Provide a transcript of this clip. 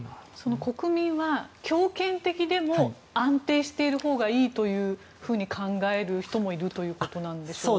国民は強権的でも安定しているほうがいいというふうに考える人もいるということなんでしょうか。